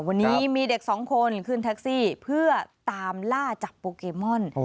วันนี้มีเด็กสองคนขึ้นแท็กซี่เพื่อตามล่าจับโปเกมอน